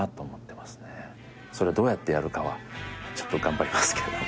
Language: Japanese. それをどうやってやるかはちょっと頑張りますけれども。